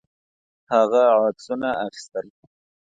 هغه عکسونه اخیستل.